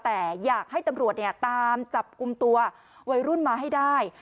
แต่อยากให้ตำรวจตามจับกลุ่มตัววัยรุ่นมาให้ได้